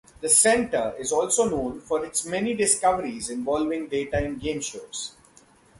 The Center is also known for its many discoveries involving daytime game shows.